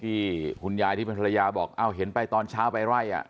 ที่คุณยายที่เป็นภรรยาบอกอ้าวเห็นไปตอนเช้าไปไล่อ่ะ